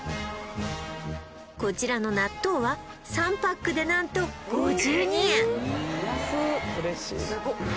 こちらの納豆は３パックで何と５２円